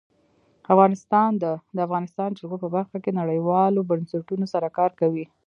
افغانستان د د افغانستان جلکو په برخه کې نړیوالو بنسټونو سره کار کوي.